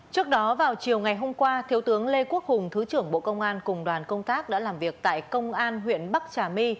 trước đó vào chiều ngày hôm qua thiếu tướng lê quốc hùng thứ trưởng bộ công an cùng đoàn công tác đã làm việc tại công an huyện bắc trà my